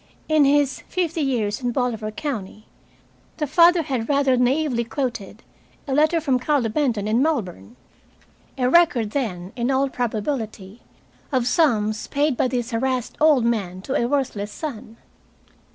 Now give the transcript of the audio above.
In his "Fifty Years in Bolivar County," the father had rather naively quoted a letter from Carlo Benton in Melbourne. A record, then, in all probability, of sums paid by this harassed old man to a worthless son.